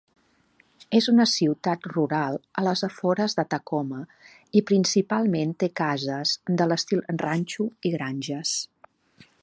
És una ciutat rural a les afores de Tacoma i principalment té cases de l'estil ranxo i granges.